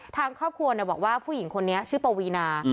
ทางครอบครัวบอกว่าผู้หญิงคนนี้ชื่อปวีนา